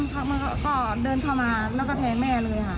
เขาก็เดินเข้ามาแล้วก็แทงแม่เลยค่ะ